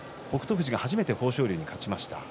富士が初めて豊昇龍に勝ちました。